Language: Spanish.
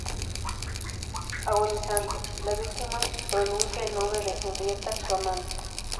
Agonizante, la víctima pronuncia el nombre de Henrietta, su amante.